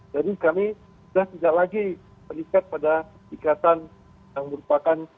jadi kami sudah tidak lagi berdikkat pada ikatan yang merupakan